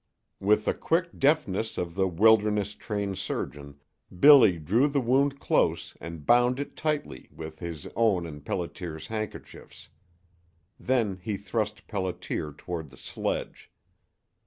With the quick deftness of the wilderness trained surgeon Billy drew the wound close and bound it tightly with his own and Pelliter's handkerchiefs. Then he thrust Pelliter toward the sledge.